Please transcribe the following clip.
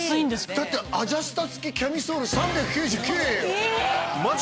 だってアジャスタ付きキャミソール３９９円よえっ！？